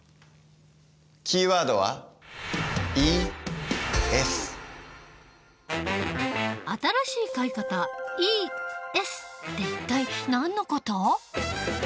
キーワードは新しい買い方「ＥＳ」って一体何の事？